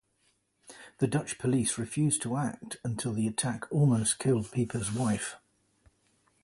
The Dutch police refused to act until the attack almost killed Pieper's wife.